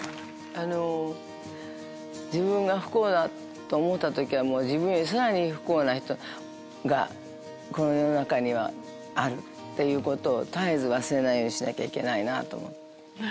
あの自分が不幸だと思った時は自分よりさらに不幸な人がこの世の中にはあるってことを絶えず忘れないようにしなきゃいけないなと思う。